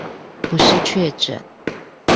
不是確診